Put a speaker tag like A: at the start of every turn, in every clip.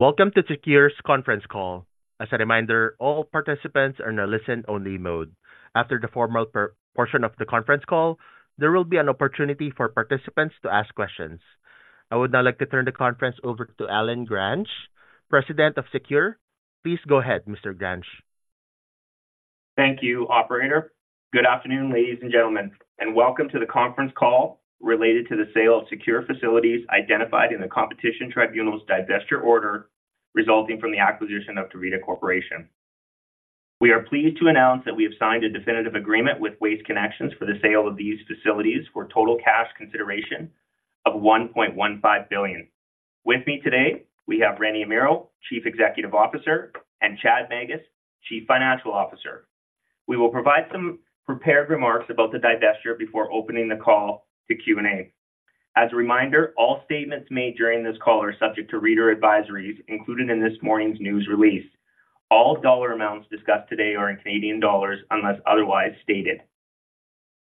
A: Welcome to SECURE's conference call. As a reminder, all participants are in a listen-only mode. After the formal portion of the conference call, there will be an opportunity for participants to ask questions. I would now like to turn the conference over to Allen Gransch, President of SECURE. Please go ahead, Mr. Gransch.
B: Thank you, operator. Good afternoon, ladies and gentlemen, and welcome to the conference call related to the sale of Secure facilities identified in the Competition Tribunal's divestiture order, resulting from the acquisition of Tervita Corporation. We are pleased to announce that we have signed a definitive agreement with Waste Connections for the sale of these facilities for total cash consideration of 1.15 billion. With me today, we have Rene Amirault, Chief Executive Officer, and Chad Magus, Chief Financial Officer. We will provide some prepared remarks about the divestiture before opening the call to Q&A. As a reminder, all statements made during this call are subject to reader advisories included in this morning's news release. All dollar amounts discussed today are in Canadian dollars, unless otherwise stated.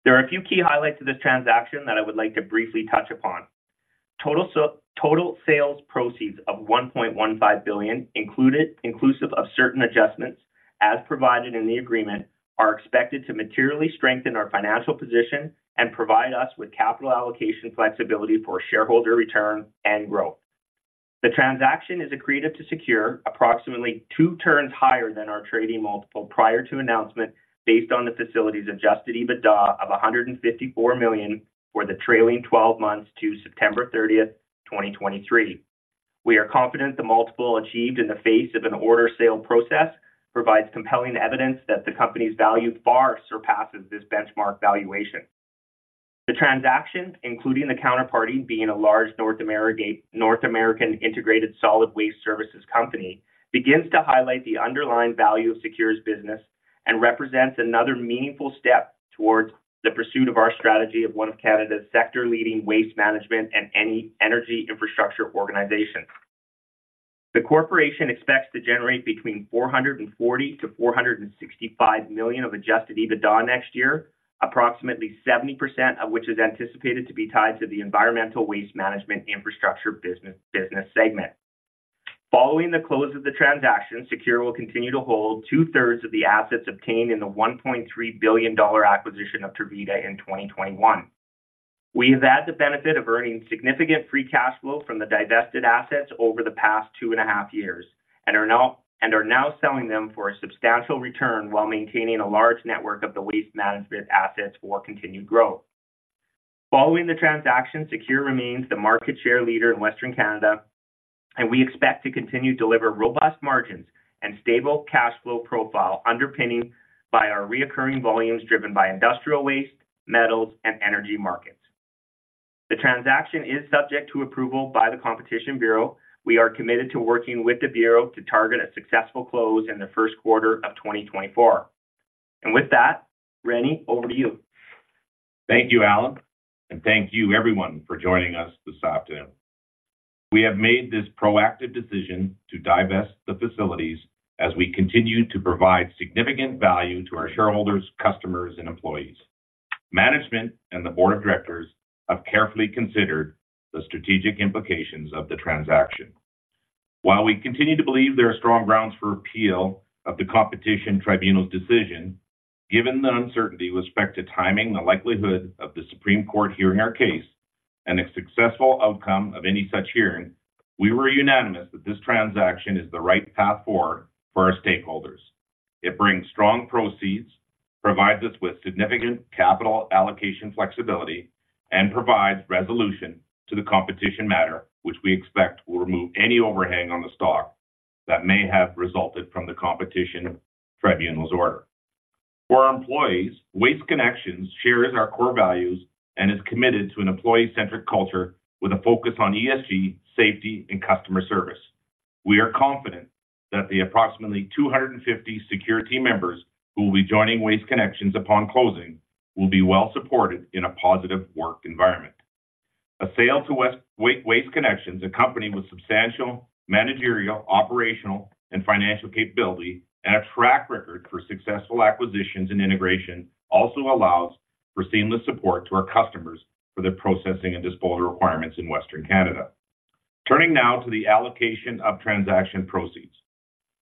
B: There are a few key highlights of this transaction that I would like to briefly touch upon. Total sales proceeds of 1.15 billion, included, inclusive of certain adjustments, as provided in the agreement, are expected to materially strengthen our financial position and provide us with capital allocation flexibility for shareholder return and growth. The transaction is accretive to Secure, approximately two turns higher than our trading multiple prior to announcement, based on the facility's Adjusted EBITDA of 154 million for the trailing 12 months to September 30, 2023. We are confident the multiple achieved in the face of an orderly sale process provides compelling evidence that the Company's value far surpasses this benchmark valuation. The transaction, including the counterparty being a large North American integrated solid waste services company, begins to highlight the underlying value of SECURE's business and represents another meaningful step towards the pursuit of our strategy of one of Canada's sector-leading waste management and energy infrastructure organization. The Corporation expects to generate between 400-465 million of Adjusted EBITDA next year, approximately 70% of which is anticipated to be tied to the environmental waste management infrastructure business, business segment. Following the close of the transaction, SECURE will continue to hold two-thirds of the assets obtained in the 1.3 billion dollar acquisition of Tervita in 2021. We have had the benefit of earning significant free cash flow from the divested assets over the past two and a half years and are now selling them for a substantial return while maintaining a large network of the waste management assets for continued growth. Following the transaction, SECURE remains the market share leader in Western Canada, and we expect to continue to deliver robust margins and stable cash flow profile, underpinning by our recurring volumes driven by industrial waste, metals, and energy markets. The transaction is subject to approval by the Competition Bureau. We are committed to working with the Bureau to target a successful close in the first quarter of 2024. And with that, Rene, over to you.
C: Thank you, Allen, and thank you everyone for joining us this afternoon. We have made this proactive decision to divest the facilities as we continue to provide significant value to our shareholders, customers, and employees. Management and the board of directors have carefully considered the strategic implications of the transaction. While we continue to believe there are strong grounds for appeal of the Competition Tribunal's decision, given the uncertainty with respect to timing, the likelihood of the Supreme Court hearing our case, and a successful outcome of any such hearing, we were unanimous that this transaction is the right path forward for our stakeholders. It brings strong proceeds, provides us with significant capital allocation flexibility, and provides resolution to the competition matter, which we expect will remove any overhang on the stock that may have resulted from the Competition Tribunal's order. For our employees, Waste Connections shares our core values and is committed to an employee-centric culture with a focus on ESG, safety, and customer service. We are confident that the approximately 250 Secure team members, who will be joining Waste Connections upon closing, will be well supported in a positive work environment. A sale to Waste Connections, a company with substantial managerial, operational, and financial capability and a track record for successful acquisitions and integration, also allows for seamless support to our customers for their processing and disposal requirements in Western Canada. Turning now to the allocation of transaction proceeds.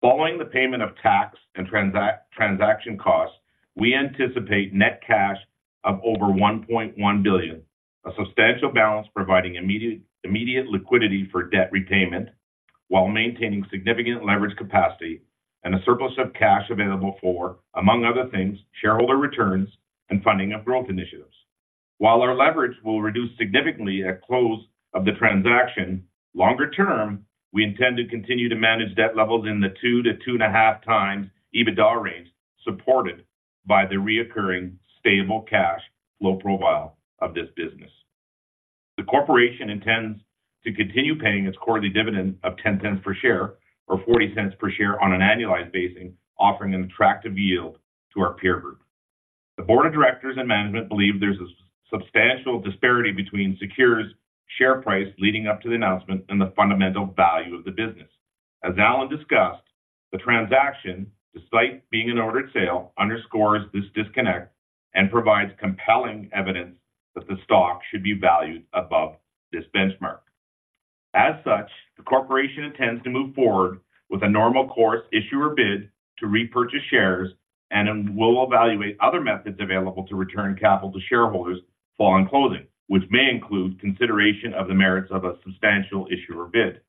C: Following the payment of tax and transaction costs, we anticipate net cash of over 1.1 billion, a substantial balance providing immediate liquidity for debt repayment, while maintaining significant leverage capacity and a surplus of cash available for, among other things, shareholder returns and funding of growth initiatives. While our leverage will reduce significantly at close of the transaction, longer term, we intend to continue to manage debt levels in the 2-2.5x EBITDA range, supported by the recurring stable cash flow profile of this business. The Corporation intends to continue paying its quarterly dividend of 0.10 per share, or 0.40 per share on an annualized basis, offering an attractive yield to our peer group. The board of directors and management believe there's a substantial disparity between Secure's share price leading up to the announcement and the fundamental value of the business. As Allen discussed, the transaction, despite being an ordered sale, underscores this disconnect... and provides compelling evidence that the stock should be valued above this benchmark. As such, the corporation intends to move forward with a normal course issuer bid to repurchase shares, and we'll evaluate other methods available to return capital to shareholders following closing, which may include consideration of the merits of a substantial issuer bid.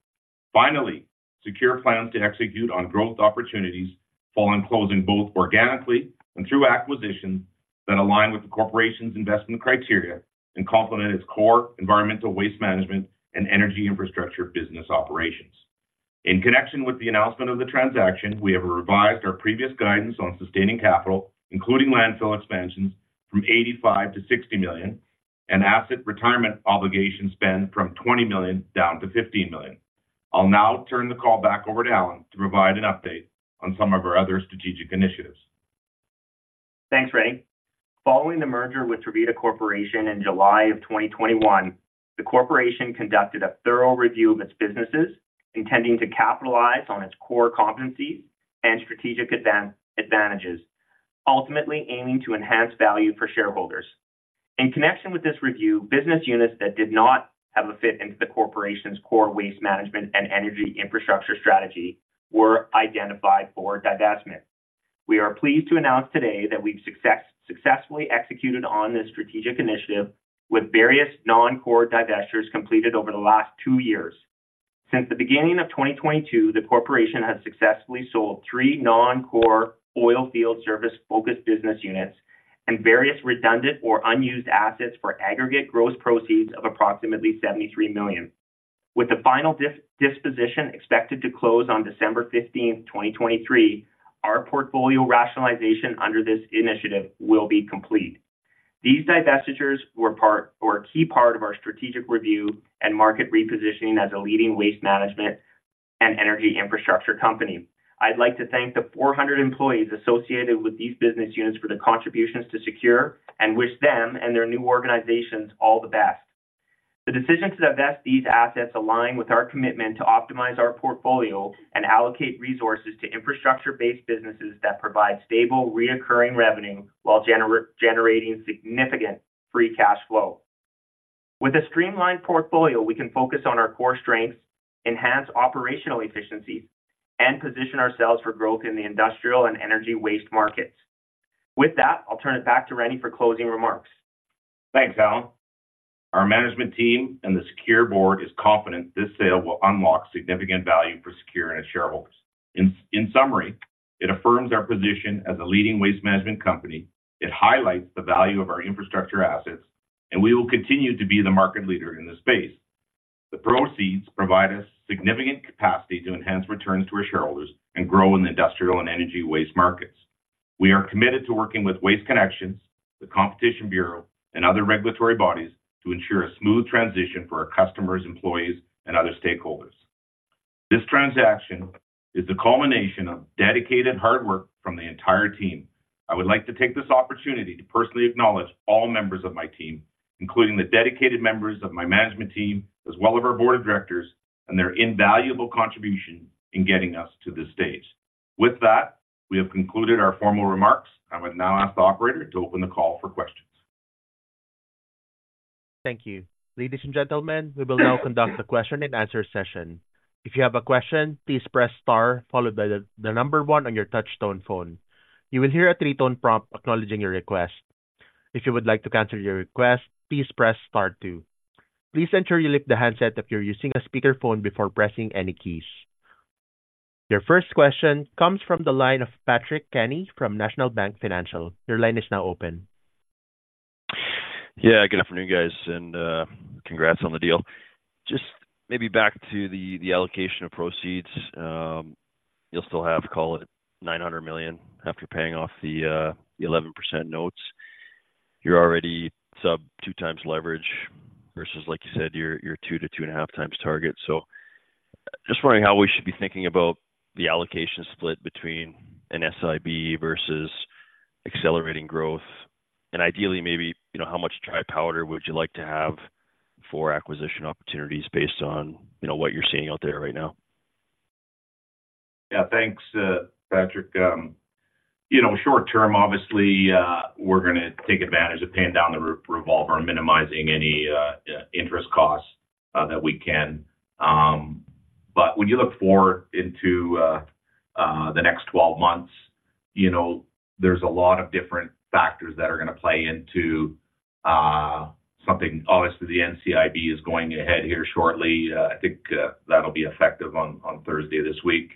C: Finally, Secure plans to execute on growth opportunities following closing, both organically and through acquisitions that align with the corporation's investment criteria and complement its core environmental waste management and energy infrastructure business operations. In connection with the announcement of the transaction, we have revised our previous guidance on Sustaining Capital, including landfill expansions, from 85 to 60 million, and Asset Retirement Obligation spend from 20 down to 15 million. I'll now turn the call back over to Allen to provide an update on some of our other strategic initiatives.
B: Thanks, Rene. Following the merger with Tervita Corporation in July 2021, the corporation conducted a thorough review of its businesses, intending to capitalize on its core competencies and strategic advantages, ultimately aiming to enhance value for shareholders. In connection with this review, business units that did not have a fit into the corporation's core waste management and energy infrastructure strategy were identified for divestment. We are pleased to announce today that we've successfully executed on this strategic initiative, with various non-core divestitures completed over the last two years. Since the beginning of 2022, the corporation has successfully sold three non-core oil field service-focused business units and various redundant or unused assets for aggregate gross proceeds of approximately 73 million. With the final disposition expected to close on December fifteenth, 2023, our portfolio rationalization under this initiative will be complete. These divestitures were part, or a key part of our strategic review and market repositioning as a leading waste management and energy infrastructure company. I'd like to thank the 400 employees associated with these business units for their contributions to Secure and wish them and their new organizations all the best. The decision to divest these assets align with our commitment to optimize our portfolio and allocate resources to infrastructure-based businesses that provide stable, reoccurring revenue while generating significant free cash flow. With a streamlined portfolio, we can focus on our core strengths, enhance operational efficiencies, and position ourselves for growth in the industrial and energy waste markets. With that, I'll turn it back to Rene for closing remarks.
C: Thanks, Allen. Our management team and the SECURE board is confident this sale will unlock significant value for SECURE and its shareholders. In summary, it affirms our position as a leading waste management company. It highlights the value of our infrastructure assets, and we will continue to be the market leader in this space. The proceeds provide us significant capacity to enhance returns to our shareholders and grow in the industrial and energy waste markets. We are committed to working with Waste Connections, the Competition Bureau, and other regulatory bodies to ensure a smooth transition for our customers, employees, and other stakeholders. This transaction is the culmination of dedicated hard work from the entire team. I would like to take this opportunity to personally acknowledge all members of my team, including the dedicated members of my management team, as well as our board of directors, and their invaluable contribution in getting us to this stage. With that, we have concluded our formal remarks. I would now ask the operator to open the call for questions.
A: Thank you. Ladies and gentlemen, we will now conduct a question-and-answer session. If you have a question, please press star, followed by the number one on your touchtone phone. You will hear a three-tone prompt acknowledging your request. If you would like to cancel your request, please press star two. Please ensure you lift the handset if you're using a speakerphone before pressing any keys. Your first question comes from the line of Patrick Kenny from National Bank Financial. Your line is now open.
D: Yeah, good afternoon, guys, and congrats on the deal. Just maybe back to the allocation of proceeds. You'll still have, call it, 900 million after paying off the 11% notes. You're already sub 2x leverage versus, like you said, your 2-2.5x target. So just wondering how we should be thinking about the allocation split between an SIB versus accelerating growth, and ideally, maybe, you know, how much dry powder would you like to have for acquisition opportunities based on, you know, what you're seeing out there right now?
C: Yeah. Thanks, Patrick. You know, short term, obviously, we're gonna take advantage of paying down the revolver and minimizing any interest costs that we can. But when you look forward into the next 12 months, you know, there's a lot of different factors that are gonna play into something. Obviously, the NCIB is going ahead here shortly. I think that'll be effective on Thursday this week.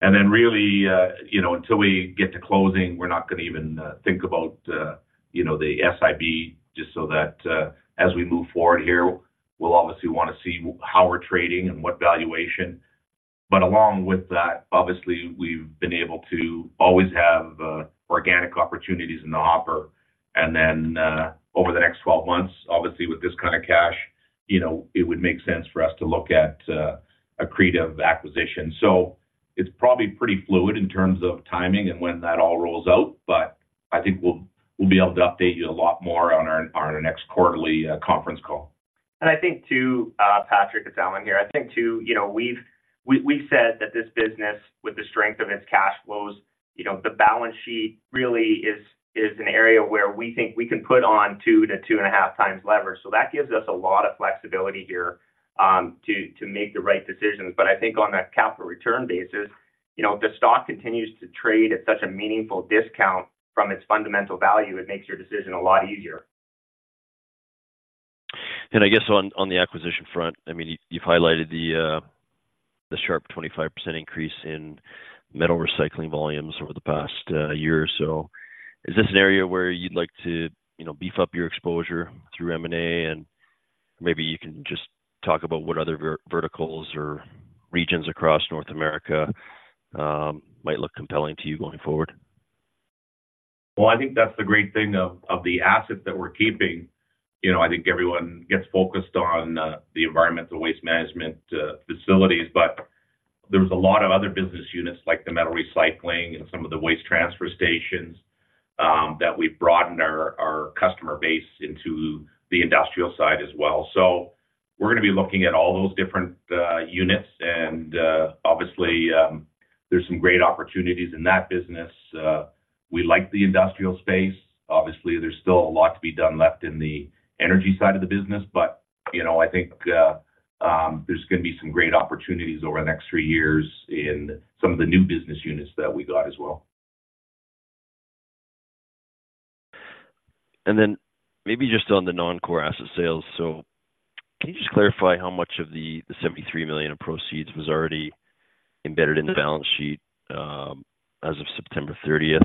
C: And then really, you know, until we get to closing, we're not gonna even think about the SIB, just so that as we move forward here, we'll obviously want to see how we're trading and what valuation. But along with that, obviously, we've been able to always have organic opportunities in the hopper. And then, over the next 12 months, obviously, with this kind of cash, you know, it would make sense for us to look at, accretive acquisitions. So it's probably pretty fluid in terms of timing and when that all rolls out, but I think we'll, we'll be able to update you a lot more on our, on our next quarterly, conference call. And I think, too, Patrick, it's Allen here. I think, too, you know, we've, we, we said that this business, with the strength of its cash flows, you know, the balance sheet really is, is an area where we think we can put on 2-2.5x leverage. So that gives us a lot of flexibility here, to, to make the right decisions. I think on a capital return basis, you know, if the stock continues to trade at such a meaningful discount from its fundamental value, it makes your decision a lot easier.
D: I guess on the acquisition front, I mean, you've highlighted the sharp 25% increase in metals recycling volumes over the past year or so. Is this an area where you'd like to, you know, beef up your exposure through M&A? And maybe you can just talk about what other verticals or regions across North America might look compelling to you going forward.
C: Well, I think that's the great thing of, of the assets that we're keeping. You know, I think everyone gets focused on, the environmental waste management, facilities, but there's a lot of other business units, like the metal recycling and some of the waste transfer stations, that we've broadened our, our customer base into the industrial side as well. So we're gonna be looking at all those different, units and, obviously, there's some great opportunities in that business. We like the industrial space. Obviously, there's still a lot to be done left in the energy side of the business, but, you know, I think, there's gonna be some great opportunities over the next three years in some of the new business units that we got as well.
D: Maybe just on the non-core asset sales, so can you just clarify how much of the 73 million in proceeds was already embedded in the balance sheet as of September 30?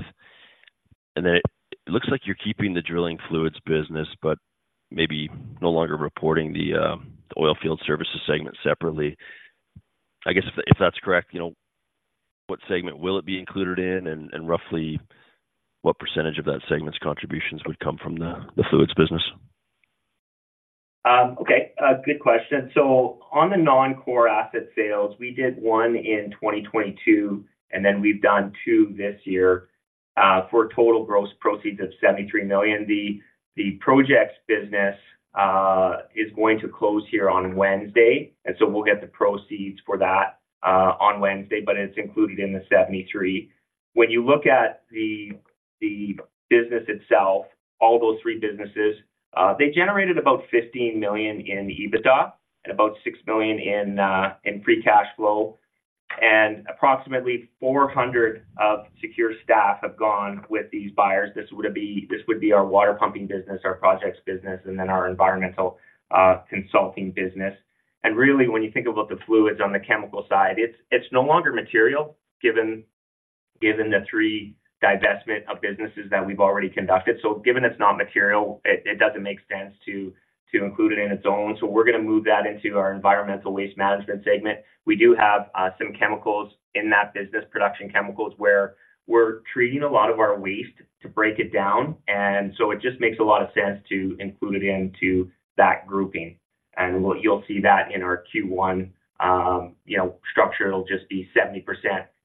D: It looks like you're keeping the drilling fluids business, but maybe no longer reporting the oilfield services segment separately. I guess, if that's correct, you know, what segment will it be included in? And roughly what percentage of that segment's contributions would come from the fluids business?
C: Okay, a good question. So on the non-core asset sales, we did one in 2022, and then we've done two this year, for a total gross proceeds of 73 million. The projects business is going to close here on Wednesday, and so we'll get the proceeds for that on Wednesday, but it's included in the seventy-three. When you look at the business itself, all those three businesses, they generated about 15 million in EBITDA and about 6 million in free cash flow, and approximately 400 of Secure staff have gone with these buyers. This would be our water pumping business, our projects business, and then our environmental consulting business. And really, when you think about the fluids on the chemical side, it's no longer material, given the three divestments of businesses that we've already conducted. So given it's not material, it doesn't make sense to include it in its own. So we're gonna move that into our environmental waste management segment. We do have some chemicals in that business, production chemicals, where we're treating a lot of our waste to break it down. And so it just makes a lot of sense to include it into that grouping. And we'll, you'll see that in our Q1, you know, structure. It'll just be 70%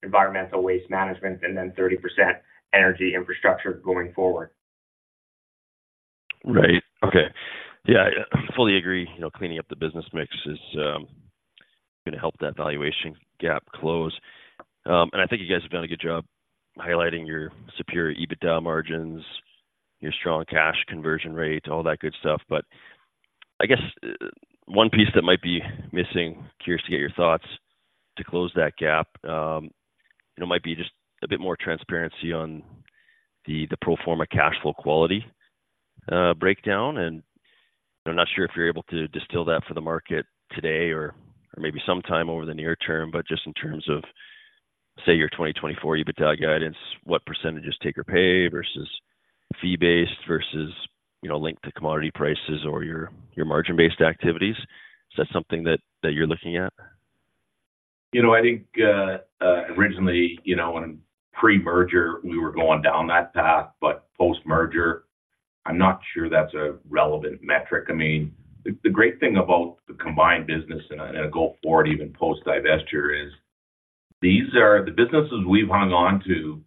C: environmental waste management and then 30% energy infrastructure going forward.
D: Right. Okay. Yeah, I fully agree, you know, cleaning up the business mix is gonna help that valuation gap close. And I think you guys have done a good job highlighting your superior EBITDA margins, your strong cash conversion rate, all that good stuff. But I guess one piece that might be missing, curious to get your thoughts to close that gap, you know, might be just a bit more transparency on the pro forma cash flow quality breakdown. And I'm not sure if you're able to distill that for the market today or maybe sometime over the near term, but just in terms of, say, your 2024 EBITDA guidance, what percentage is take or pay versus fee-based versus, you know, linked to commodity prices or your margin-based activities? Is that something that you're looking at?
C: You know, I think, originally, you know, in pre-merger, we were going down that path, but post-merger, I'm not sure that's a relevant metric. I mean, the great thing about the combined business and go forward, even post-divestiture, is these are the businesses we've hung on to,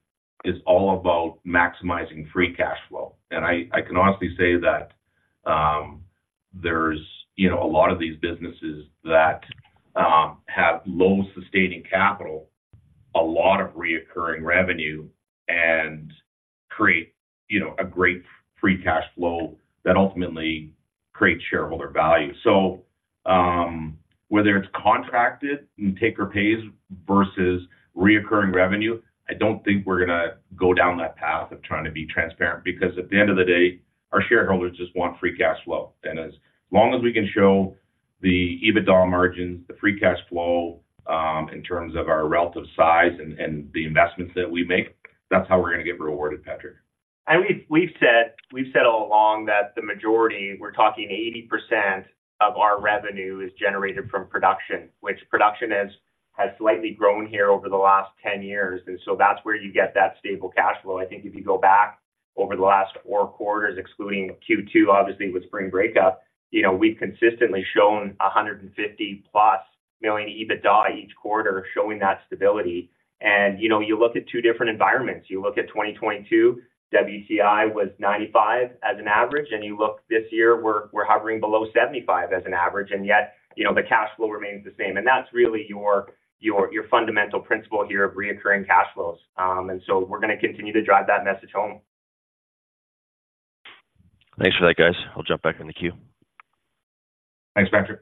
C: is all about maximizing free cash flow. And I can honestly say that, there's, you know, a lot of these businesses that have low sustaining capital, a lot of recurring revenue, and create, you know, a great free cash flow that ultimately creates shareholder value. So, whether it's contracted and take or pays versus recurring revenue, I don't think we're gonna go down that path of trying to be transparent, because at the end of the day, our shareholders just want free cash flow. As long as we can show the EBITDA margins, the free cash flow, in terms of our relative size and the investments that we make, that's how we're gonna get rewarded, Patrick. We've said all along that the majority, we're talking 80% of our revenue, is generated from production, which production has slightly grown here over the last 10 years. So that's where you get that stable cash flow. I think if you go back over the last four quarters, excluding Q2, obviously, with spring breakup, you know, we've consistently shown 150+ million EBITDA each quarter, showing that stability. And, you know, you look at two different environments. You look at 2022, WTI was $95 as an average, and you look this year, we're hovering below $75 as an average, and yet, you know, the cash flow remains the same. And that's really your, your, your fundamental principle here of recurring cash flows. And so we're gonna continue to drive that message home.
D: Thanks for that, guys. I'll jump back in the queue.
C: Thanks, Patrick.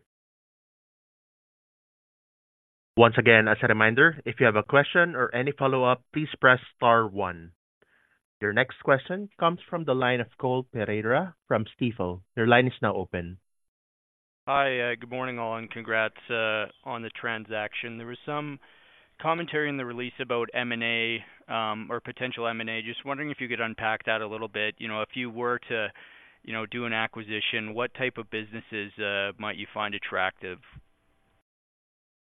A: Once again, as a reminder, if you have a question or any follow-up, please press star one. Your next question comes from the line of Cole Pereira from Stifel. Your line is now open.
E: Hi, good morning, all, and congrats on the transaction. There was some commentary in the release about M&A, or potential M&A. Just wondering if you could unpack that a little bit. You know, if you were to, you know, do an acquisition, what type of businesses might you find attractive?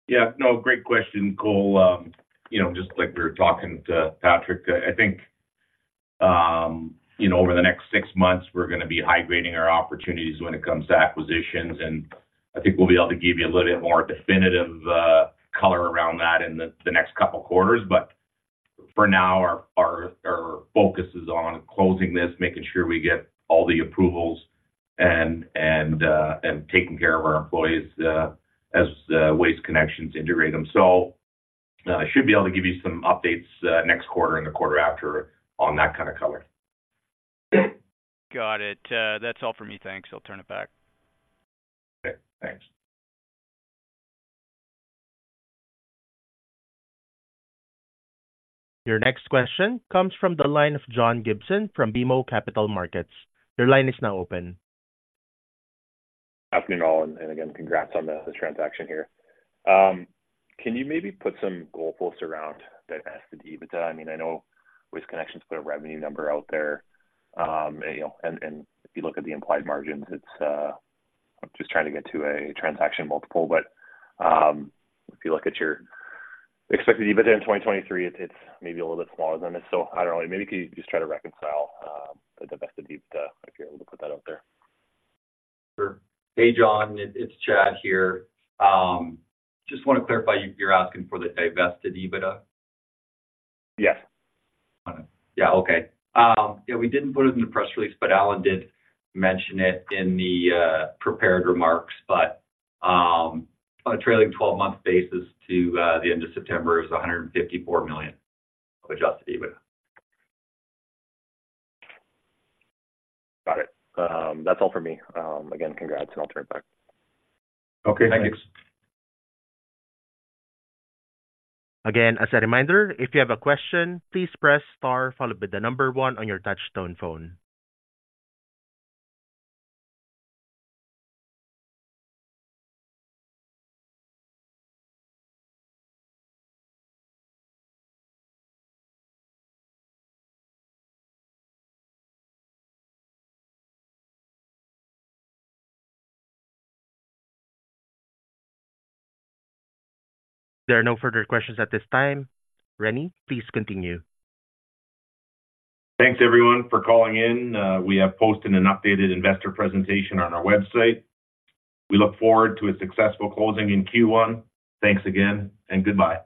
C: Yeah. No, great question, Cole. You know, just like we were talking to Patrick, I think, you know, over the next six months, we're gonna be high grading our opportunities when it comes to acquisitions, and I think we'll be able to give you a little bit more definitive color around that in the next couple of quarters. But for now, our focus is on closing this, making sure we get all the approvals and taking care of our employees as Waste Connections integrate them. So, I should be able to give you some updates next quarter and the quarter after on that kind of color.
E: Got it. That's all for me. Thanks. I'll turn it back.
C: Okay, thanks.
A: Your next question comes from the line of John Gibson from BMO Capital Markets. Your line is now open.
F: Afternoon, all, and again, congrats on the transaction here. Can you maybe put some goalposts around divested EBITDA? I mean, I know Waste Connections put a revenue number out there. You know, and if you look at the implied margins, it's... I'm just trying to get to a transaction multiple, but, if you look at your expected EBITDA in 2023, it's maybe a little bit smaller than this. So I don't know, maybe could you just try to reconcile the divested EBITDA, if you're able to put that out there?
C: Sure. Hey, John, it's Chad here. Just want to clarify, you're asking for the divested EBITDA?
F: Yes.
C: Yeah. Okay. Yeah, we didn't put it in the press release, but Allen did mention it in the prepared remarks. On a trailing 12-month basis to the end of September, it was 154 million of Adjusted EBITDA.
F: Got it. That's all for me. Again, congrats, and I'll turn it back.
C: Okay, thanks.
A: Again, as a reminder, if you have a question, please press star followed by the number one on your touchtone phone. There are no further questions at this time. Rene, please continue.
C: Thanks, everyone, for calling in. We have posted an updated investor presentation on our website. We look forward to a successful closing in Q1. Thanks again, and goodbye.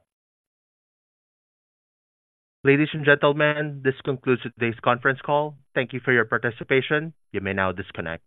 A: Ladies and gentlemen, this concludes today's conference call. Thank you for your participation. You may now disconnect.